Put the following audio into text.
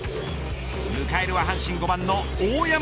迎えるは阪神５番の大山。